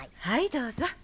はいどうぞ。